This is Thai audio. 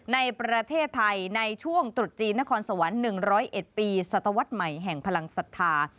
ในประเทศไทยในช่วงตรุษจีนนครสวรรค์๑๐๑ปีศตวรรษใหม่แห่งพลังศรัทธา